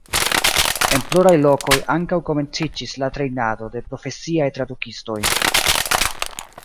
En pluraj lokoj ankaŭ komenciĝis la trejnado de profesiaj tradukistoj.